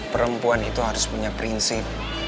perempuan itu harus punya prinsip